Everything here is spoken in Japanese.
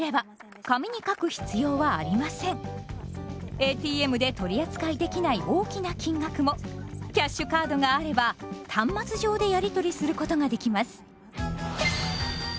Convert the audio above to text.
ＡＴＭで取り扱いできない大きな金額もキャッシュカードがあれば端末上でやりとりすることができます。